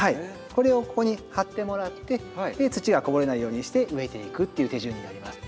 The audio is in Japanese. これをここに貼ってもらって土がこぼれないようにして植えていくっていう手順になります。